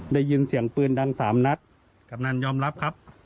ได้ยินเสียงปืนดังสามนัดกำนันยอมรับครับ